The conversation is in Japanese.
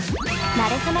なれそめ！